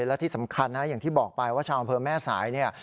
และที่สำคัญนะอย่างที่บอกไปว่าชาวอำเภอแม่สายเนี่ย